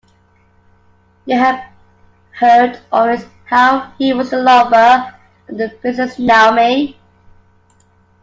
You have heard always how he was the lover of the Princess Naomi.